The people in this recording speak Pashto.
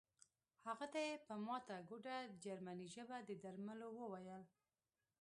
هغه ته یې په ماته ګوډه جرمني ژبه د درملو وویل